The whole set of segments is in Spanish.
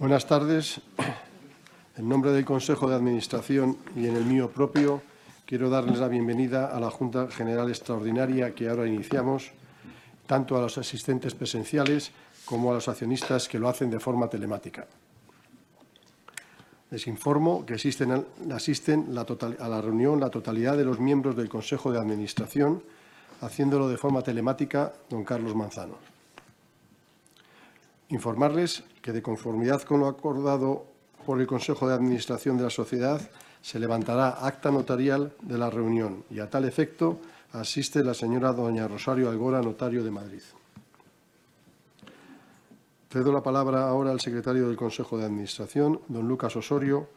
Buenas tardes. En nombre del Consejo de Administración y en el mío propio, quiero darles la bienvenida a la Junta General Extraordinaria que ahora iniciamos, tanto a los asistentes presenciales como a los accionistas que lo hacen de forma telemática. Les informo que asisten a la reunión la totalidad de los miembros del Consejo de Administración, haciéndolo de forma telemática don Carlos Manzano. Informarles que, de conformidad con lo acordado por el Consejo de Administración de la sociedad, se levantará acta notarial de la reunión y, a tal efecto, asiste la señora doña Rosario Algora, Notario de Madrid. Cedo la palabra ahora al Secretario del Consejo de Administración, don Lucas Osorio,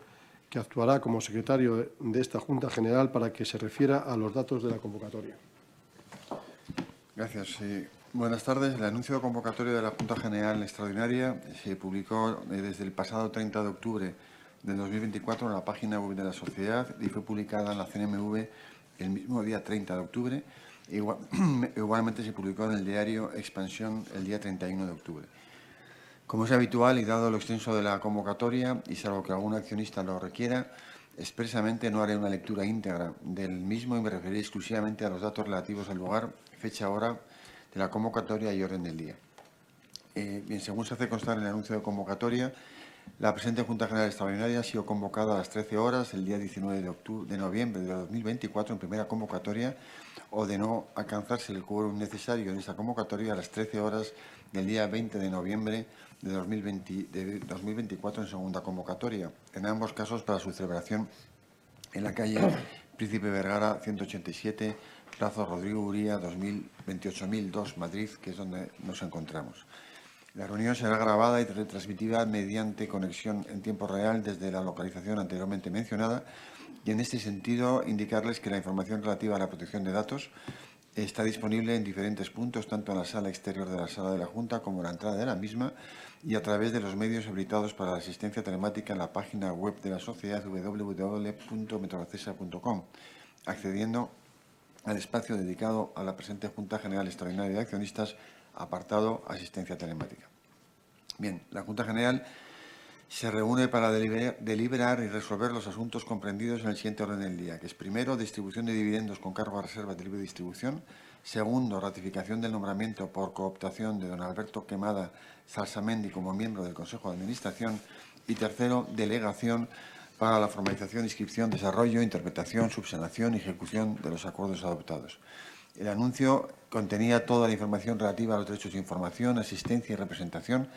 que actuará como Secretario de esta Junta General para que se refiera a los datos de la convocatoria. Gracias. Buenas tardes. El anuncio de convocatoria de la Junta General Extraordinaria se publicó desde el pasado 30 de octubre de 2024 en la página web de la sociedad y fue publicada en la CNMV el mismo día 30 de octubre. Igualmente, se publicó en el diario Expansión el día 31 de octubre. Como es habitual y dado lo extenso de la convocatoria, y salvo que algún accionista lo requiera expresamente, no haré una lectura íntegra del mismo y me referiré exclusivamente a los datos relativos al lugar, fecha y hora de la convocatoria y orden del día. Bien, según se hace constar en el anuncio de convocatoria, la presente Junta General Extraordinaria ha sido convocada a las 13:00 horas el día 19 de noviembre de 2024 en primera convocatoria, o de no alcanzarse el quórum necesario en esa convocatoria a las 13:00 horas del día 20 de noviembre de 2024 en segunda convocatoria, en ambos casos para su celebración en la calle Príncipe de Vergara 187, Plaza Rodrigo Uría, 28002 Madrid, que es donde nos encontramos. La reunión será grabada y retransmitida mediante conexión en tiempo real desde la localización anteriormente mencionada. Y en este sentido, indicarles que la información relativa a la protección de datos está disponible en diferentes puntos, tanto en la sala exterior de la sala de la Junta como en la entrada de la misma, y a través de los medios habilitados para la asistencia telemática en la página web de la sociedad www.metrovacesa.com, accediendo al espacio dedicado a la presente Junta General Extraordinaria de Accionistas, apartado asistencia telemática. La Junta General se reúne para deliberar y resolver los asuntos comprendidos en el siguiente orden del día, que es: primero, distribución de dividendos con cargo a Reserva Tribu Distribución; segundo, ratificación del nombramiento por cooptación de Don Alberto Quemada Salsamendi como miembro del Consejo de Administración; y tercero, delegación para la formalización, inscripción, desarrollo, interpretación, subsanación y ejecución de los acuerdos adoptados. El anuncio contenía toda la información relativa a los derechos de información, asistencia y representación,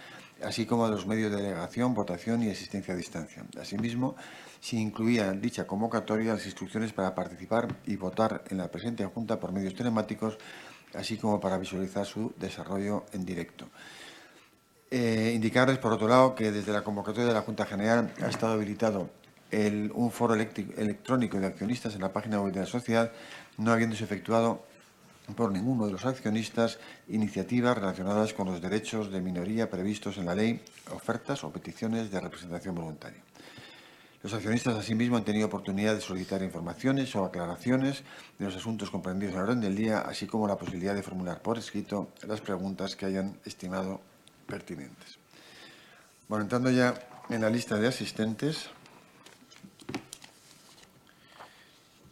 así como a los medios de delegación, votación y asistencia a distancia. Asimismo, se incluía en dicha convocatoria las instrucciones para participar y votar en la presente Junta por medios telemáticos, así como para visualizar su desarrollo en directo. Indicarles por otro lado que desde la convocatoria de la Junta General ha estado habilitado un foro electrónico de accionistas en la página web de la sociedad, no habiéndose efectuado por ninguno de los accionistas iniciativas relacionadas con los derechos de minoría previstos en la ley, ofertas o peticiones de representación voluntaria. Los accionistas, asimismo, han tenido oportunidad de solicitar informaciones o aclaraciones de los asuntos comprendidos en orden del día, así como la posibilidad de formular por escrito las preguntas que hayan estimado pertinentes. Bueno, entrando ya en la lista de asistentes,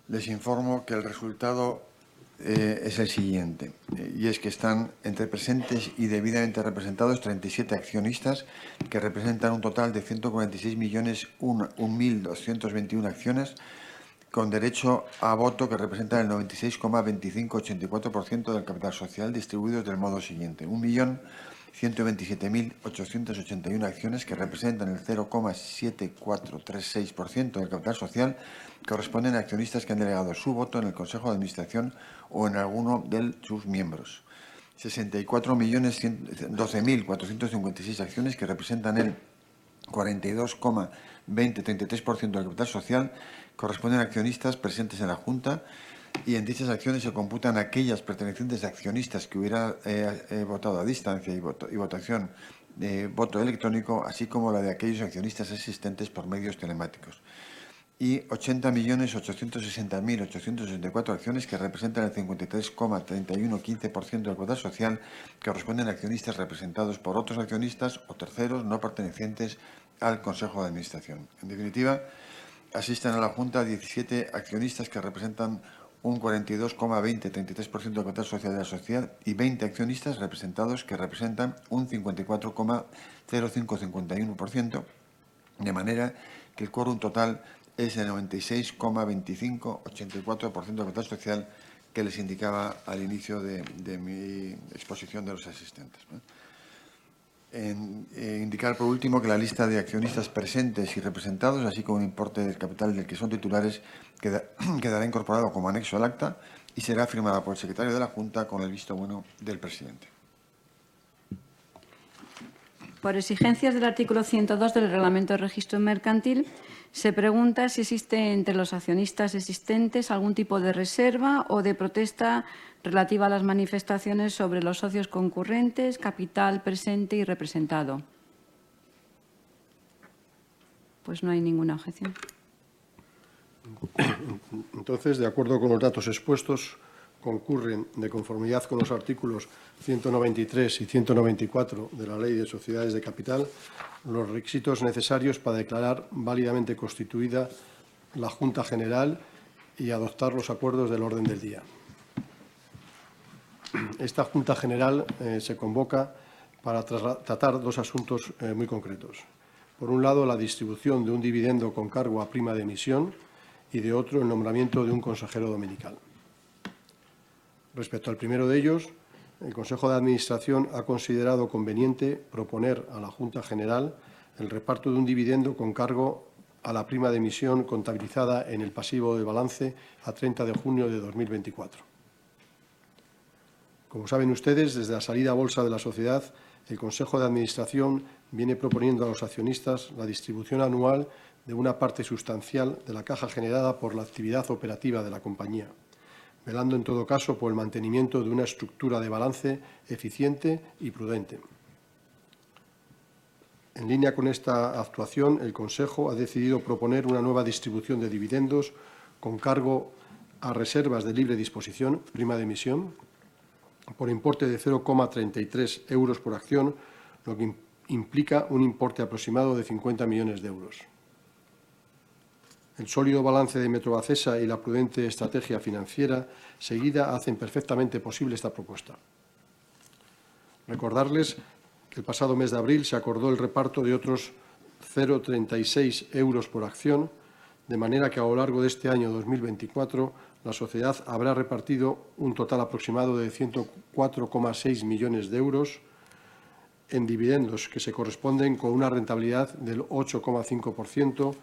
les informo que el resultado es el siguiente, y es que están entre presentes y debidamente representados 37 accionistas, que representan un total de 146.001.221 acciones con derecho a voto que representan el 96,2584% del capital social, distribuidos del modo siguiente: 1.127.881 acciones, que representan el 0,7436% del capital social, corresponden a accionistas que han delegado su voto en el Consejo de Administración o en alguno de sus miembros; 64.012.456 acciones, que representan el 42,2033% del capital social, corresponden a accionistas presentes en la Junta; y en dichas acciones se computan aquellas pertenecientes a accionistas que hubieran votado a distancia y votación por voto electrónico, así como la de aquellos accionistas asistentes por medios telemáticos; y 80.860.864 acciones, que representan el 53,3115% del capital social, corresponden a accionistas representados por otros accionistas o terceros no pertenecientes al Consejo de Administración. En definitiva, asisten a la Junta 17 accionistas que representan un 42,2033% del capital social de la sociedad y 20 accionistas representados que representan un 54,0551%, de manera que el cómputo total es el 96,2584% del capital social que les indicaba al inicio de mi exposición de los asistentes. Indicar por último que la lista de accionistas presentes y representados, así como el importe del capital del que son titulares, quedará incorporada como anexo al acta y será firmada por el Secretario de la Junta con el visto bueno del Presidente. Por exigencias del artículo 102 del Reglamento de Registro Mercantil, se pregunta si existe entre los accionistas existentes algún tipo de reserva o de protesta relativa a las manifestaciones sobre los socios concurrentes, capital presente y representado. Pues no hay ninguna objeción. Entonces, de acuerdo con los datos expuestos, concurren, de conformidad con los artículos 193 y 194 de la Ley de Sociedades de Capital, los requisitos necesarios para declarar válidamente constituida la Junta General y adoptar los acuerdos del orden del día. Esta Junta General se convoca para tratar dos asuntos muy concretos. Por un lado, la distribución de un dividendo con cargo a prima de emisión y, de otro, el nombramiento de un Consejero Dominical. Respecto al primero de ellos, el Consejo de Administración ha considerado conveniente proponer a la Junta General el reparto de un dividendo con cargo a la prima de emisión contabilizada en el pasivo de balance a 30 de junio de 2024. Como saben ustedes, desde la salida a bolsa de la sociedad, el Consejo de Administración viene proponiendo a los accionistas la distribución anual de una parte sustancial de la caja generada por la actividad operativa de la compañía, velando en todo caso por el mantenimiento de una estructura de balance eficiente y prudente. En línea con esta actuación, el Consejo ha decidido proponer una nueva distribución de dividendos con cargo a reservas de libre disposición, prima de emisión, por importe de €0,33 por acción, lo que implica un importe aproximado de €50 millones. El sólido balance de Metrovacesa y la prudente estrategia financiera seguida hacen perfectamente posible esta propuesta. Recordarles que el pasado mes de abril se acordó el reparto de otros €0,36 por acción, de manera que a lo largo de este año 2024 la sociedad habrá repartido un total aproximado de €104,6 millones en dividendos que se corresponden con una rentabilidad del 8,5%,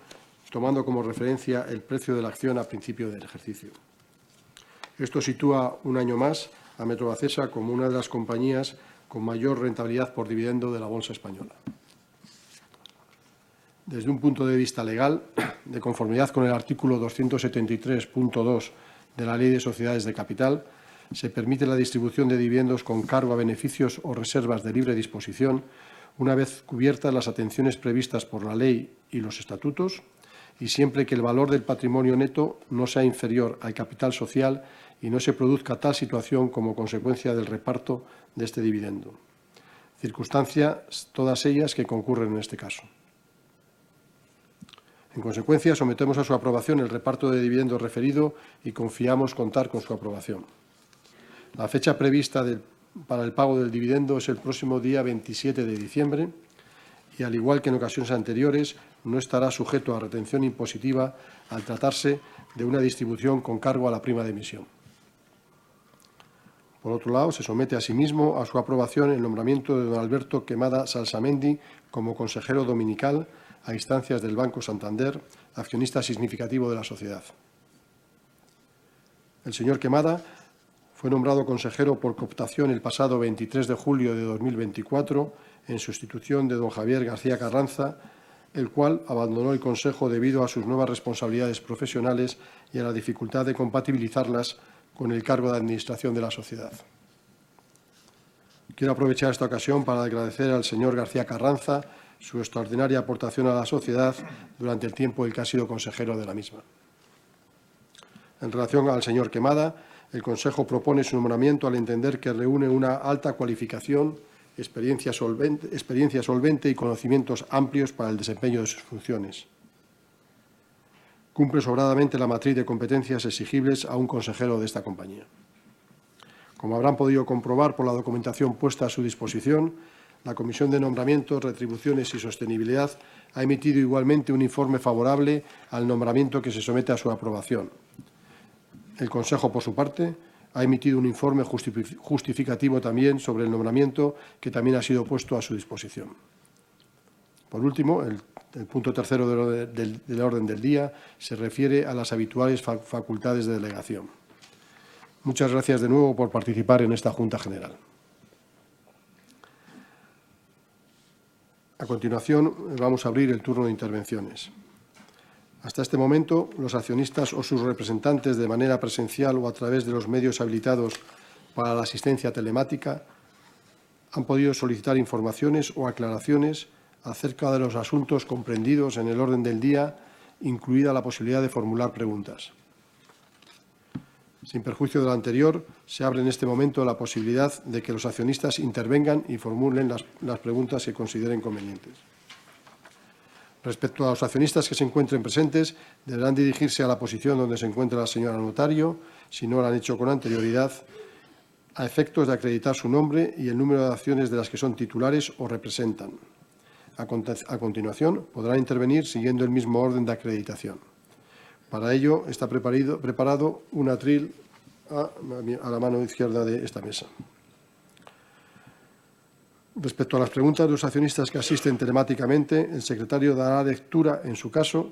tomando como referencia el precio de la acción a principio del ejercicio. Esto sitúa un año más a Metrovacesa como una de las compañías con mayor rentabilidad por dividendo de la bolsa española. Desde un punto de vista legal, de conformidad con el artículo 273.2 de la Ley de Sociedades de Capital, se permite la distribución de dividendos con cargo a beneficios o reservas de libre disposición, una vez cubiertas las atenciones previstas por la ley y los estatutos, y siempre que el valor del patrimonio neto no sea inferior al capital social y no se produzca tal situación como consecuencia del reparto de este dividendo, circunstancias todas ellas que concurren en este caso. En consecuencia, sometemos a su aprobación el reparto de dividendos referido y confiamos contar con su aprobación. La fecha prevista para el pago del dividendo es el próximo día 27 de diciembre y, al igual que en ocasiones anteriores, no estará sujeto a retención impositiva al tratarse de una distribución con cargo a la prima de emisión. Por otro lado, se somete asimismo a su aprobación el nombramiento de don Alberto Quemada Salsamendi como consejero dominical a instancias del Banco Santander, accionista significativo de la sociedad. El señor Quemada fue nombrado consejero por cooptación el pasado 23 de julio de 2024 en sustitución de don Javier García Carranza, el cual abandonó el Consejo debido a sus nuevas responsabilidades profesionales y a la dificultad de compatibilizarlas con el cargo de administración de la sociedad. Quiero aprovechar esta ocasión para agradecer al señor García Carranza su extraordinaria aportación a la sociedad durante el tiempo en el que ha sido consejero de la misma. En relación al señor Quemada, el Consejo propone su nombramiento al entender que reúne una alta cualificación, experiencia solvente y conocimientos amplios para el desempeño de sus funciones. Cumple sobradamente la matriz de competencias exigibles a un consejero de esta compañía. Como habrán podido comprobar por la documentación puesta a su disposición, la Comisión de Nombramientos, Retribuciones y Sostenibilidad ha emitido igualmente un informe favorable al nombramiento que se somete a su aprobación. El Consejo, por su parte, ha emitido un informe justificativo también sobre el nombramiento que también ha sido puesto a su disposición. Por último, el punto tercero del orden del día se refiere a las habituales facultades de delegación. Muchas gracias de nuevo por participar en esta Junta General. A continuación, vamos a abrir el turno de intervenciones. Hasta este momento, los accionistas o sus representantes, de manera presencial o a través de los medios habilitados para la asistencia telemática, han podido solicitar informaciones o aclaraciones acerca de los asuntos comprendidos en el orden del día, incluida la posibilidad de formular preguntas. Sin perjuicio de lo anterior, se abre en este momento la posibilidad de que los accionistas intervengan y formulen las preguntas que consideren convenientes. Respecto a los accionistas que se encuentren presentes, deberán dirigirse a la posición donde se encuentra la Señora Notario, si no lo han hecho con anterioridad, a efectos de acreditar su nombre y el número de acciones de las que son titulares o representan. A continuación, podrán intervenir siguiendo el mismo orden de acreditación. Para ello, está preparado un atril a la mano izquierda de esta mesa. Respecto a las preguntas de los accionistas que asisten telemáticamente, el Secretario dará lectura, en su caso,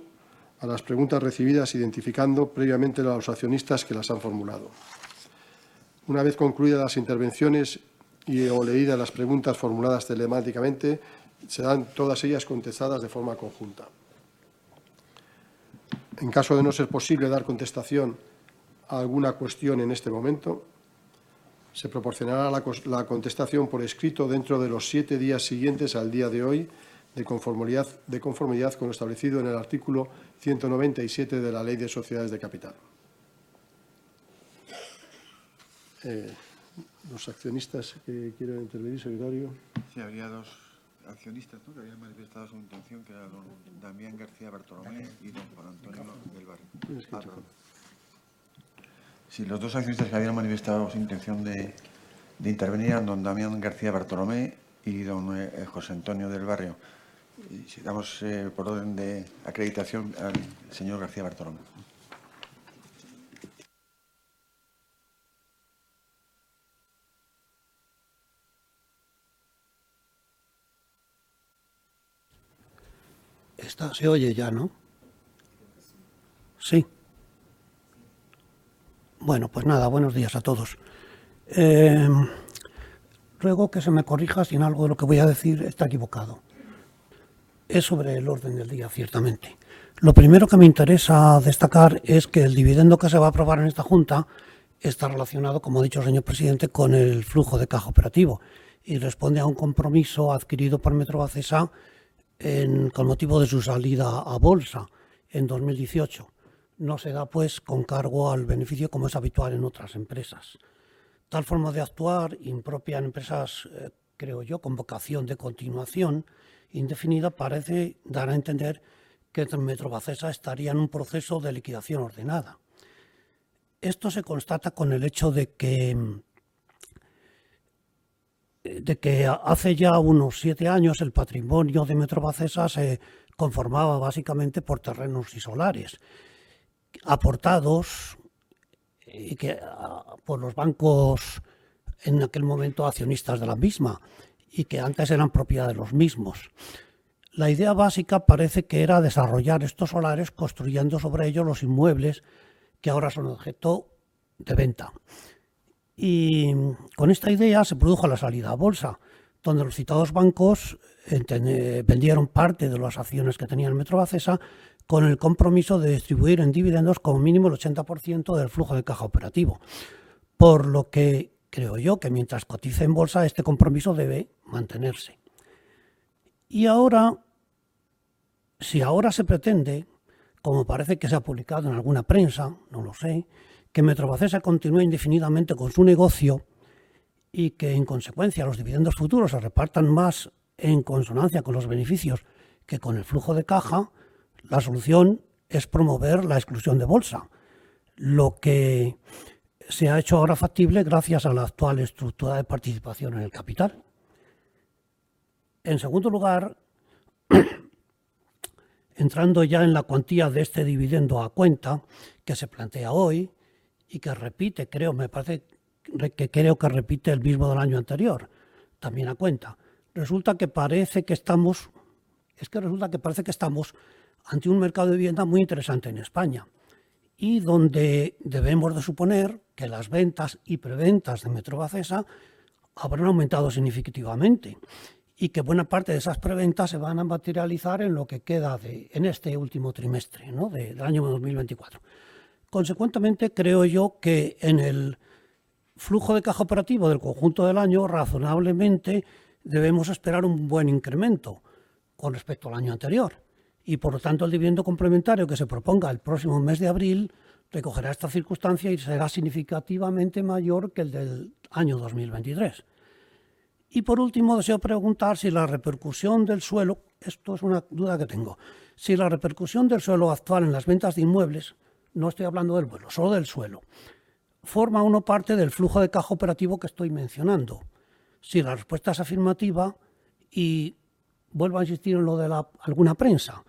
a las preguntas recibidas, identificando previamente a los accionistas que las han formulado. Una vez concluidas las intervenciones y/o leídas las preguntas formuladas telemáticamente, serán todas ellas contestadas de forma conjunta. En caso de no ser posible dar contestación a alguna cuestión en este momento, se proporcionará la contestación por escrito dentro de los siete días siguientes al día de hoy, de conformidad con lo establecido en el artículo 197 de la Ley de Sociedades de Capital. Los accionistas que quieran intervenir, Secretario. Gracias. Había dos accionistas que habían manifestado su intención, que eran don Damián García Bartolomé y don Juan Antonio del Barrio. Si los dos accionistas que habían manifestado su intención de intervenir eran don Damián García Bartolomé y don José Antonio del Barrio, damos por orden de acreditación al señor García Bartolomé. ¿Esto se oye ya, no? Creo que sí. ¿Sí? Sí. Bueno, pues nada, buenos días a todos. Ruego que se me corrija si en algo de lo que voy a decir está equivocado. Es sobre el orden del día, ciertamente. Lo primero que me interesa destacar es que el dividendo que se va a aprobar en esta Junta está relacionado, como ha dicho el Señor Presidente, con el flujo de caja operativo y responde a un compromiso adquirido por Metrovacesa con motivo de su salida a bolsa en 2018. No se da con cargo al beneficio, como es habitual en otras empresas. Tal forma de actuar, impropia en empresas, creo yo, con vocación de continuación indefinida, parece dar a entender que Metrovacesa estaría en un proceso de liquidación ordenada. Esto se constata con el hecho de que hace ya unos siete años el patrimonio de Metrovacesa se conformaba básicamente por terrenos y solares aportados por los bancos en aquel momento accionistas de la misma y que antes eran propiedad de los mismos. La idea básica parece que era desarrollar estos solares construyendo sobre ellos los inmuebles que ahora son objeto de venta. Con esta idea se produjo la salida a bolsa, donde los citados bancos vendieron parte de las acciones que tenía Metrovacesa con el compromiso de distribuir en dividendos como mínimo el 80% del flujo de caja operativo, por lo que creo yo que mientras cotice en bolsa este compromiso debe mantenerse. Y ahora, si ahora se pretende, como parece que se ha publicado en alguna prensa, no lo sé, que Metrovacesa continúe indefinidamente con su negocio y que en consecuencia los dividendos futuros se repartan más en consonancia con los beneficios que con el flujo de caja, la solución es promover la exclusión de bolsa, lo que se ha hecho ahora factible gracias a la actual estructura de participación en el capital. En segundo lugar, entrando ya en la cuantía de este dividendo a cuenta que se plantea hoy y que repite el mismo del año anterior, también a cuenta, resulta que parece que estamos ante un mercado de vivienda muy interesante en España, y donde debemos suponer que las ventas y preventas de Metrovacesa habrán aumentado significativamente y que buena parte de esas preventas se van a materializar en lo que queda de este último trimestre del año 2024. Consecuentemente, creo yo que en el flujo de caja operativo del conjunto del año, razonablemente debemos esperar un buen incremento con respecto al año anterior, y por lo tanto el dividendo complementario que se proponga el próximo mes de abril recogerá esta circunstancia y será significativamente mayor que el del año 2023. Y por último, deseo preguntar si la repercusión del suelo, esto es una duda que tengo, si la repercusión del suelo actual en las ventas de inmuebles, no estoy hablando del suelo, solo del suelo, forma o no parte del flujo de caja operativo que estoy mencionando. Si la respuesta es afirmativa, y vuelvo a insistir en lo de alguna prensa,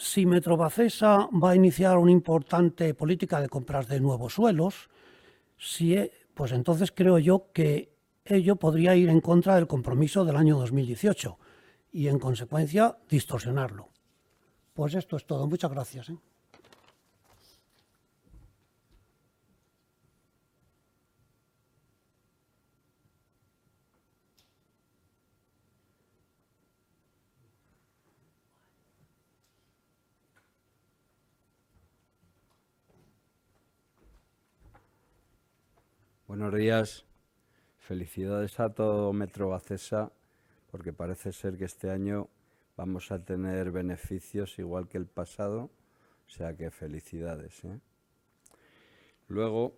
si Metrovacesa va a iniciar una importante política de compras de nuevos suelos, pues entonces creo yo que ello podría ir en contra del compromiso del año 2018 y en consecuencia distorsionarlo. Esto es todo, muchas gracias. Buenos días. Felicidades a todo Metrovacesa, porque parece ser que este año vamos a tener beneficios igual que el pasado, así que felicidades. Luego,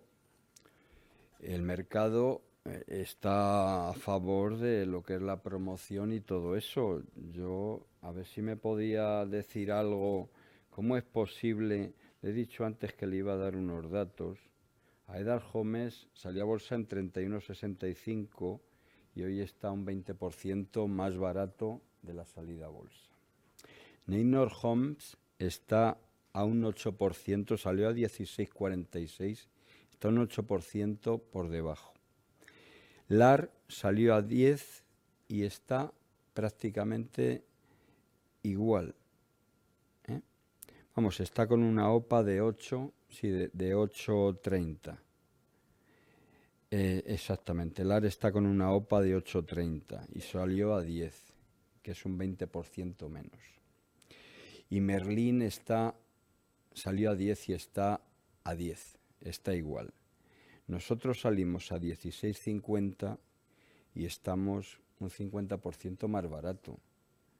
el mercado está a favor de lo que es la promoción y todo eso. Yo, a ver si me podía decir algo, ¿cómo es posible? He dicho antes que le iba a dar unos datos. Aedas Homes salió a bolsa en €31,65 y hoy está un 20% más barato de la salida a bolsa. Neinor Homes está a un 8%, salió a €16,46, está a un 8% por debajo. LAR salió a €10 y está prácticamente igual. Está con una OPA de €8,30. Exactamente, LAR está con una OPA de €8,30 y salió a €10, que es un 20% menos. Y Merlín salió a €10 y está a €10, está igual. Nosotros salimos a €16,50 y estamos un 50% más barato.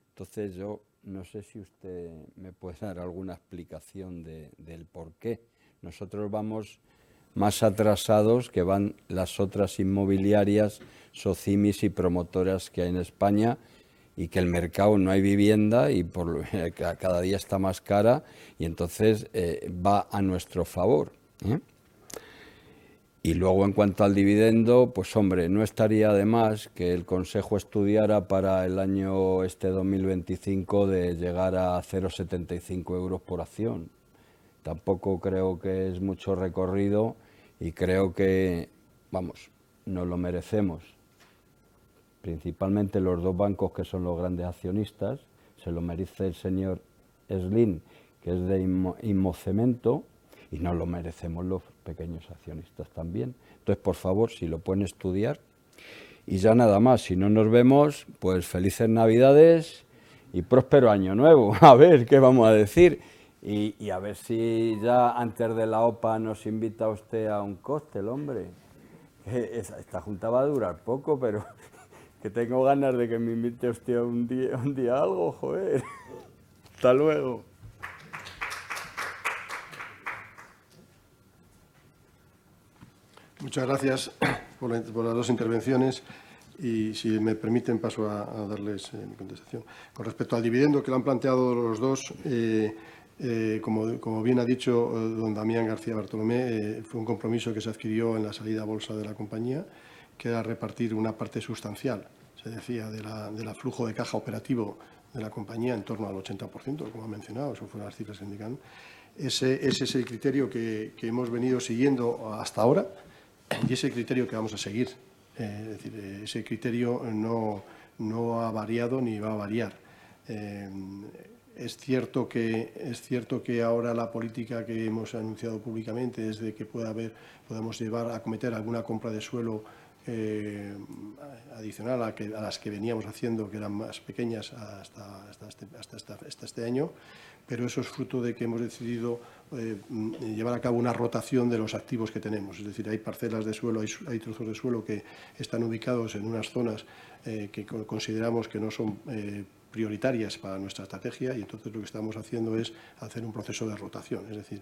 Entonces, yo no sé si usted me puede dar alguna explicación del por qué nosotros vamos más atrasados que van las otras inmobiliarias, SOCIMIs y promotoras que hay en España, y que el mercado no hay vivienda y cada día está más cara y entonces va a nuestro favor. Y luego, en cuanto al dividendo, pues hombre, no estaría de más que el Consejo estudiara para el año este 2025 de llegar a €0,75 por acción. Tampoco creo que es mucho recorrido y creo que nos lo merecemos. Principalmente los dos bancos que son los grandes accionistas, se lo merece el señor Eslin, que es de ImmoCemento, y nos lo merecemos los pequeños accionistas también. Entonces, por favor, si lo pueden estudiar. Y ya nada más, si no nos vemos, pues felices navidades y próspero año nuevo. A ver qué vamos a decir y a ver si ya antes de la OPA nos invita usted a un cóctel, hombre. Esta junta va a durar poco, pero tengo ganas de que me invite usted un día algo, joder. Hasta luego. Muchas gracias por las dos intervenciones y, si me permiten, paso a darles mi contestación. Con respecto al dividendo que le han planteado los dos, como bien ha dicho don Damián García Bartolomé, fue un compromiso que se adquirió en la salida a bolsa de la compañía, que era repartir una parte sustancial, se decía, del flujo de caja operativo de la compañía en torno al 80%, como ha mencionado. Esas fueron las cifras que se indicaron. Ese es el criterio que hemos venido siguiendo hasta ahora y es el criterio que vamos a seguir. Es decir, ese criterio no ha variado ni va a variar. Es cierto que ahora la política que hemos anunciado públicamente es de que podamos llevar a cabo alguna compra de suelo adicional a las que veníamos haciendo, que eran más pequeñas hasta este año, pero eso es fruto de que hemos decidido llevar a cabo una rotación de los activos que tenemos. Es decir, hay parcelas de suelo, hay trozos de suelo que están ubicados en unas zonas que consideramos que no son prioritarias para nuestra estrategia y entonces lo que estamos haciendo es hacer un proceso de rotación. Es decir,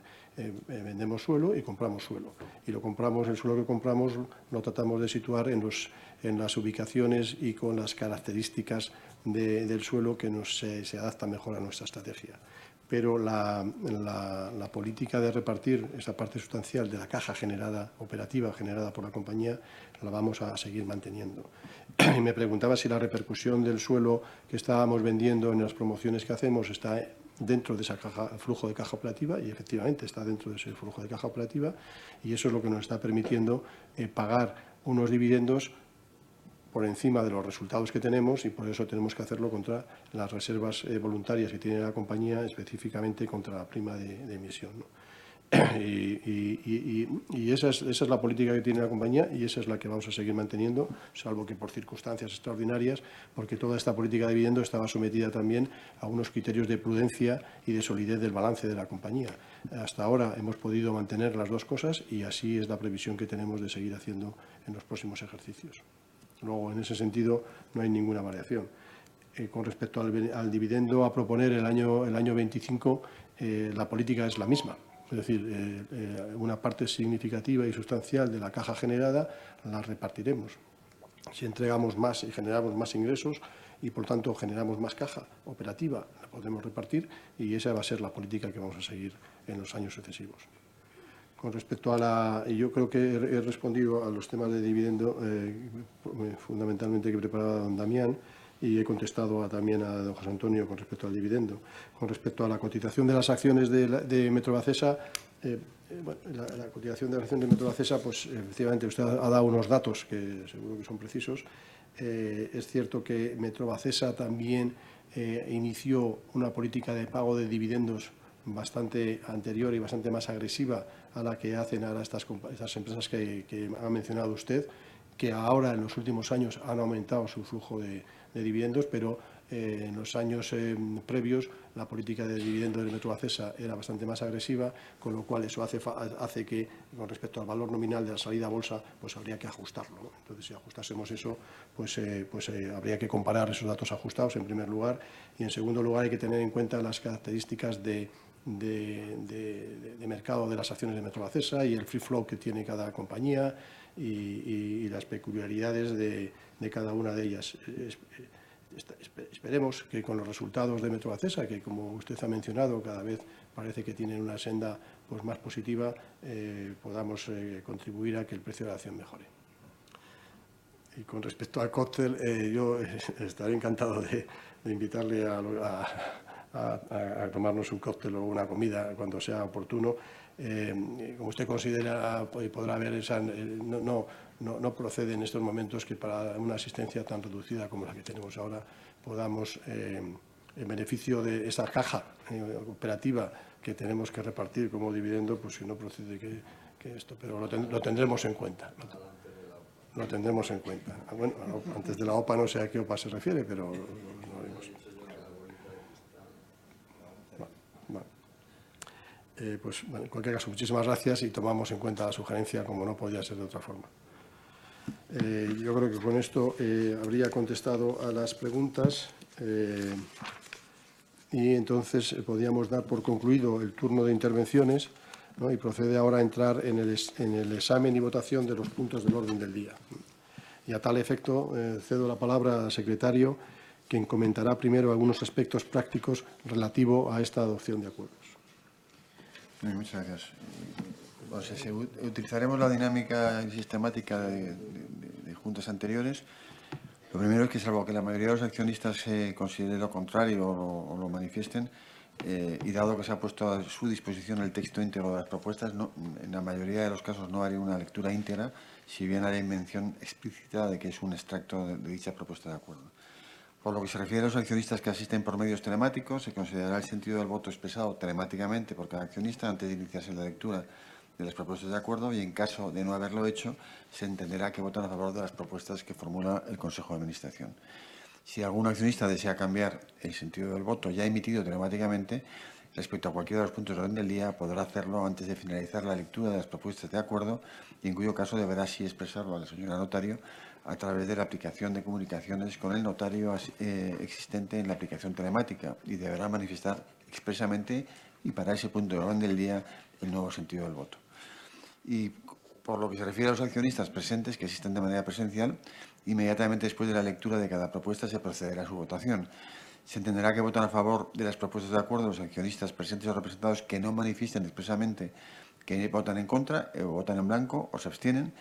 vendemos suelo y compramos suelo. El suelo que compramos lo tratamos de situar en las ubicaciones y con las características del suelo que se adapta mejor a nuestra estrategia. Pero la política de repartir esa parte sustancial de la caja operativa generada por la compañía la vamos a seguir manteniendo. Me preguntaba si la repercusión del suelo que estábamos vendiendo en las promociones que hacemos está dentro de ese flujo de caja operativo, y efectivamente está dentro de ese flujo de caja operativo. Eso es lo que nos está permitiendo pagar unos dividendos por encima de los resultados que tenemos y por eso tenemos que hacerlo contra las reservas voluntarias que tiene la compañía, específicamente contra la prima de emisión. Esa es la política que tiene la compañía y esa es la que vamos a seguir manteniendo, salvo que por circunstancias extraordinarias, porque toda esta política de dividendo estaba sometida también a unos criterios de prudencia y de solidez del balance de la compañía. Hasta ahora hemos podido mantener las dos cosas y así es la previsión que tenemos de seguir haciendo en los próximos ejercicios. En ese sentido, no hay ninguna variación. Con respecto al dividendo a proponer el año 25, la política es la misma. Es decir, una parte significativa y sustancial de la caja generada la repartiremos. Si entregamos más y generamos más ingresos y por tanto generamos más caja operativa, la podemos repartir y esa va a ser la política que vamos a seguir en los años sucesivos. Con respecto a la... Y yo creo que he respondido a los temas de dividendo, fundamentalmente que preparaba Don Damián, y he contestado también a Don José Antonio con respecto al dividendo. Con respecto a la cotización de las acciones de Metrovacesa, la cotización de las acciones de Metrovacesa, pues efectivamente usted ha dado unos datos que seguro que son precisos. Es cierto que Metrovacesa también inició una política de pago de dividendos bastante anterior y bastante más agresiva a la que hacen ahora estas empresas que ha mencionado usted, que ahora en los últimos años han aumentado su flujo de dividendos, pero en los años previos la política de dividendo de Metrovacesa era bastante más agresiva, con lo cual eso hace que con respecto al valor nominal de la salida a bolsa, pues habría que ajustarlo. Entonces, si ajustásemos eso, pues habría que comparar esos datos ajustados en primer lugar. En segundo lugar, hay que tener en cuenta las características de mercado de las acciones de Metrovacesa y el free float que tiene cada compañía y las peculiaridades de cada una de ellas. Esperemos que con los resultados de Metrovacesa, que como usted ha mencionado, cada vez parece que tienen una senda más positiva, podamos contribuir a que el precio de la acción mejore. Y con respecto al cóctel, yo estaré encantado de invitarle a tomarnos un cóctel o una comida cuando sea oportuno. Como usted considera, podrá ver esa... No procede en estos momentos que para una asistencia tan reducida como la que tenemos ahora, podamos en beneficio de esa caja operativa que tenemos que repartir como dividendo, pues no procede esto, pero lo tendremos en cuenta. Lo tendremos en cuenta. Bueno, antes de la OPA, no sé a qué OPA se refiere, pero lo oímos. Bueno, en cualquier caso, muchísimas gracias y tomamos en cuenta la sugerencia como no podía ser de otra forma. Yo creo que con esto habría contestado a las preguntas y entonces podríamos dar por concluido el turno de intervenciones y procede ahora a entrar en el examen y votación de los puntos del orden del día. Y a tal efecto, cedo la palabra al Secretario, quien comentará primero algunos aspectos prácticos relativos a esta adopción de acuerdos. Muchas gracias. Pues utilizaremos la dinámica sistemática de juntas anteriores. Lo primero es que, salvo que la mayoría de los accionistas considere lo contrario o lo manifiesten, y dado que se ha puesto a su disposición el texto íntegro de las propuestas, en la mayoría de los casos no haré una lectura íntegra, si bien haré mención explícita de que es un extracto de dicha propuesta de acuerdo. Por lo que se refiere a los accionistas que asisten por medios telemáticos, se considerará el sentido del voto expresado telemáticamente por cada accionista antes de iniciarse la lectura de las propuestas de acuerdo y, en caso de no haberlo hecho, se entenderá que votan a favor de las propuestas que formula el Consejo de Administración. Si algún accionista desea cambiar el sentido del voto ya emitido telemáticamente respecto a cualquiera de los puntos del orden del día, podrá hacerlo antes de finalizar la lectura de las propuestas de acuerdo, y en cuyo caso deberá así expresarlo a la señora notario a través de la aplicación de comunicaciones con el notario existente en la aplicación telemática y deberá manifestar expresamente y para ese punto del orden del día el nuevo sentido del voto. Y por lo que se refiere a los accionistas presentes que asisten de manera presencial, inmediatamente después de la lectura de cada propuesta se procederá a su votación. Se entenderá que votan a favor de las propuestas de acuerdo los accionistas presentes o representados que no manifiesten expresamente que votan en contra, votan en blanco o se abstienen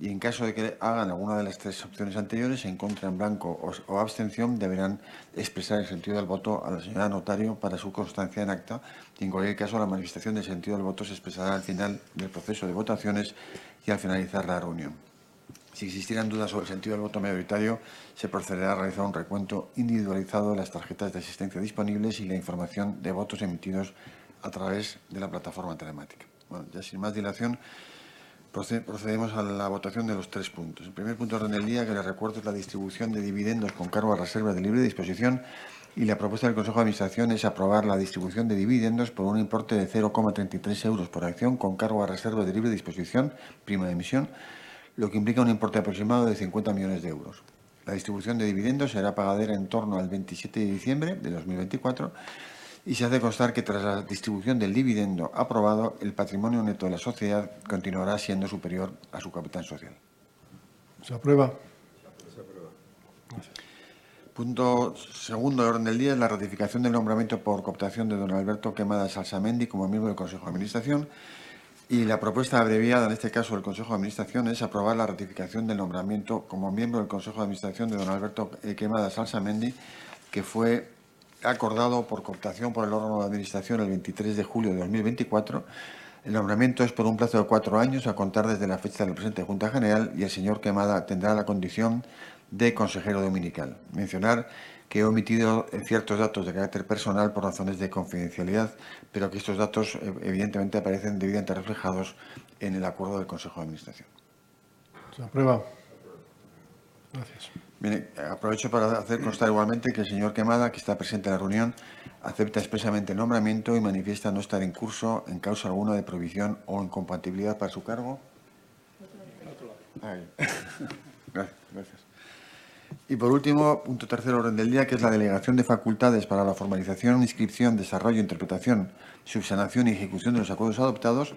y, en caso de que hagan alguna de las tres opciones anteriores, se encuentran en blanco o abstención, deberán expresar el sentido del voto a la señora notario para su constancia en acta y, en cualquier caso, la manifestación del sentido del voto se expresará al final del proceso de votaciones y al finalizar la reunión. Si existieran dudas sobre el sentido del voto mayoritario, se procederá a realizar un recuento individualizado de las tarjetas de asistencia disponibles y la información de votos emitidos a través de la plataforma telemática. Ya sin más dilación, procedemos a la votación de los tres puntos. El primer punto del orden del día, que les recuerdo, es la distribución de dividendos con cargo a reserva de libre disposición y la propuesta del Consejo de Administración es aprobar la distribución de dividendos por un importe de €0,33 por acción con cargo a reserva de libre disposición, prima de emisión, lo que implica un importe aproximado de €50 millones. La distribución de dividendos será pagada en torno al 27 de diciembre de 2024 y se hace constar que, tras la distribución del dividendo aprobado, el patrimonio neto de la sociedad continuará siendo superior a su capital social. Se aprueba. Se aprueba. Gracias. Punto segundo del orden del día es la ratificación del nombramiento por cooptación de don Alberto Quemada Salsamendi como miembro del Consejo de Administración y la propuesta abreviada, en este caso, del Consejo de Administración es aprobar la ratificación del nombramiento como miembro del Consejo de Administración de don Alberto Quemada Salsamendi, que fue acordado por cooptación por el órgano de administración el 23 de julio de 2024. El nombramiento es por un plazo de cuatro años a contar desde la fecha de la presente junta general y el señor Quemada tendrá la condición de consejero dominical. Mencionar que he omitido ciertos datos de carácter personal por razones de confidencialidad, pero que estos datos evidentemente aparecen debidamente reflejados en el acuerdo del Consejo de Administración. Se aprueba. Se aprueba. Gracias. Bien. Aprovecho para hacer constar igualmente que el señor Quemada, que está presente en la reunión, acepta expresamente el nombramiento y manifiesta no estar incurso en causa alguna de prohibición o incompatibilidad para su cargo. No te lo he leído. Bien. Gracias. Gracias. Y por último, punto tercero del orden del día, que es la delegación de facultades para la formalización, inscripción, desarrollo, interpretación, subsanación y ejecución de los acuerdos adoptados.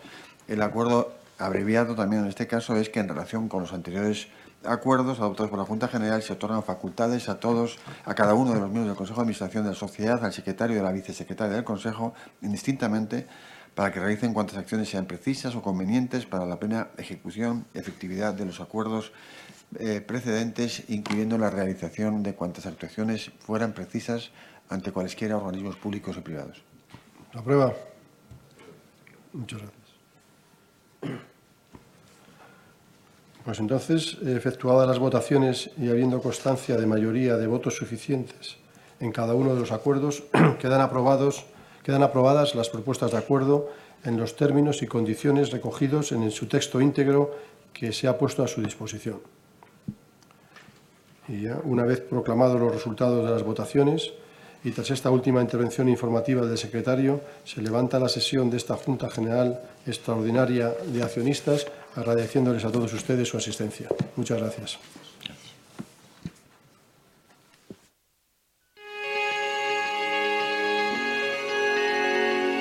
El acuerdo abreviado también en este caso es que, en relación con los anteriores acuerdos adoptados por la Junta General, se otorgan facultades a todos, a cada uno de los miembros del Consejo de Administración de la sociedad, al Secretario y a la Vicesecretaria del Consejo, indistintamente, para que realicen cuantas acciones sean precisas o convenientes para la plena ejecución y efectividad de los acuerdos precedentes, incluyendo la realización de cuantas actuaciones fueran precisas ante cualesquiera organismos públicos o privados. Se aprueba. Muchas gracias. Pues entonces, efectuadas las votaciones y habiendo constancia de mayoría de votos suficientes en cada uno de los acuerdos, quedan aprobadas las propuestas de acuerdo en los términos y condiciones recogidos en su texto íntegro que se ha puesto a su disposición. Y ya, una vez proclamados los resultados de las votaciones y tras esta última intervención informativa del secretario, se levanta la sesión de esta junta general extraordinaria de accionistas, agradeciéndoles a todos ustedes su asistencia. Muchas gracias. Gracias.